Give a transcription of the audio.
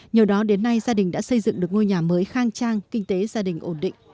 nhờ đó đến nay gia đình đã xây dựng được ngôi nhà mới khang trang kinh tế gia đình ổn định